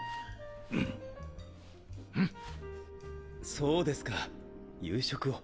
そうですか夕食を。